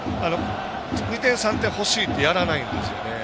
２点、３点欲しいってやらないんですよね。